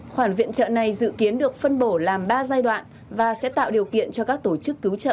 khoản viện trợ này dự kiến được phân bổ làm ba giai đoạn và sẽ tạo điều kiện cho các tổ chức cứu trợ